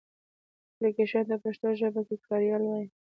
اپلکېشن ته پښتو ژبه کې کاریال وایې.